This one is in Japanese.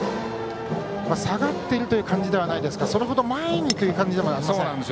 下がっているという感じではないですがそれほど前にという感じでも。